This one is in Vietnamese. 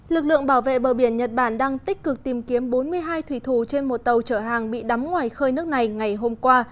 lực lượng bảo vệ bờ biển nhật bản đang tích cực tìm kiếm bốn mươi hai thủy thủ trên một tàu chở hàng bị đắm ngoài khơi nước này ngày hôm qua